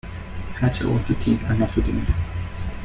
Hats are worn to tea and not to dinner.